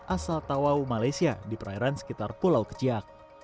asal tawau malaysia di perairan sekitar pulau keciak